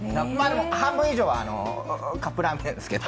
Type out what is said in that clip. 半分以上はカップラーメンなんですけど。